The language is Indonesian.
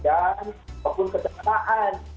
dan ataupun kejahatan